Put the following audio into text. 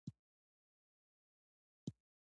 د شکر صفت په ځان کي پيدا کول ډير زيات ضروري دی